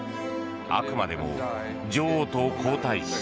あくまでも女王と皇太子。